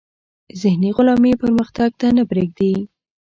ذهني غلامي پرمختګ ته نه پریږدي.